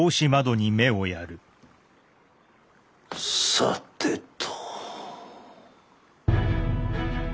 さてと。